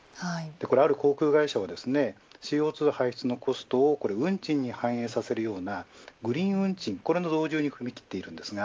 ある航空会社はＣＯ２排出のコストを運賃に反映させるようなグリーン運賃に踏み切っています。